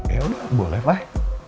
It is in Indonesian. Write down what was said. ya udah boleh pak